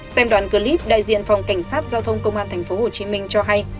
xem đoạn cơ líp đại diện phòng cảnh sát giao thông công an tp hcm cho hay